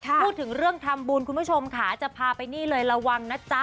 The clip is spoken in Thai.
พูดถึงเรื่องทำบุญคุณผู้ชมค่ะจะพาไปนี่เลยระวังนะจ๊ะ